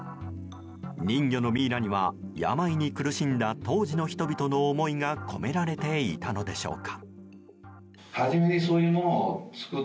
人魚のミイラには病に苦しんだ当時の人々の思いが込められていたのでしょうか。